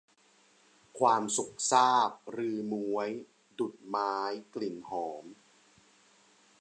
ความสุขซาบฤๅม้วย ดุจไม้กลิ่นหอม